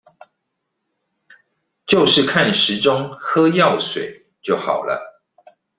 就是看時鐘喝藥水就好了